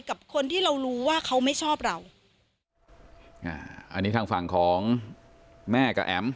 กับคนที่เรารู้ว่าเขาไม่ชอบเราอ่าอันนี้ทางฝั่งของแม่กับแอ๋ม